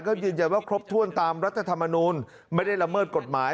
ก็ยืนยันว่าครบถ้วนตามรัฐธรรมนูลไม่ได้ละเมิดกฎหมาย